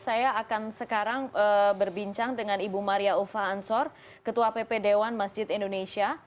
saya akan sekarang berbincang dengan ibu maria ulfa ansor ketua pp dewan masjid indonesia